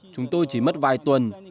chúng tôi chỉ mất vài tuần